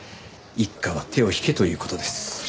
一課は手を引けという事です。